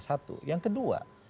satu yang kedua